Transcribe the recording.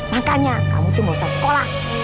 makanya kamu tuh gak usah sekolah